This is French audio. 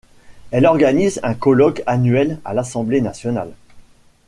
Elle organise un colloque annuel à l'Assemblée nationale.